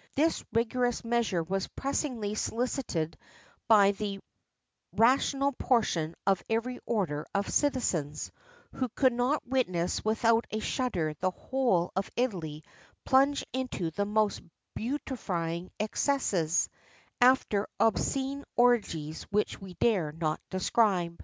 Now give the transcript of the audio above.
[XXXIV 14] This rigorous measure was pressingly solicited by the rational portion of every order of citizens, who could not witness without a shudder the whole of Italy plunge into the most brutifying excesses, after obscene orgies which we dare not describe.